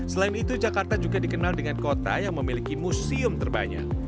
selain itu jakarta juga dikenal dengan kota yang memiliki museum terbanyak